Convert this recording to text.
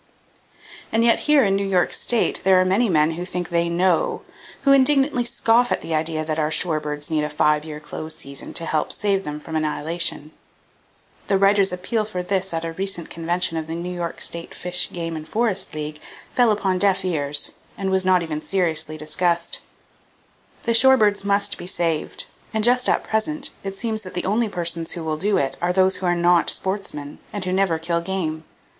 And yet, here in New York state there are many men who think they "know," who indignantly scoff at the idea that our shore birds need a five year close season to help save them from annihilation. The writer's appeal for this at a recent convention of the New York State Fish, Game and Forest League fell upon deaf ears, and was not even seriously discussed. The shore birds must be saved; and just at present it seems that the only persons who will do it are those who are not sportsmen, and who never kill game!